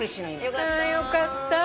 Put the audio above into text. よかった。